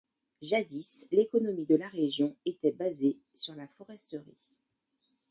Jadis l'économie de la région était basée sur la foresterie.